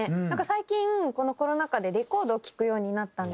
最近このコロナ禍でレコードを聴くようになったんですよ。